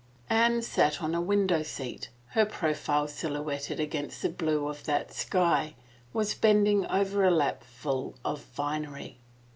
Anne on the window seat, her profile silhouetted against the blue of that sky, was bending over a lapful of finery.